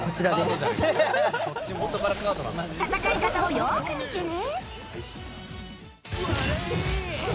戦い方をよーく見てね。